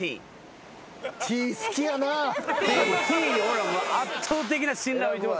Ｔ俺ら圧倒的な信頼を置いてますんで。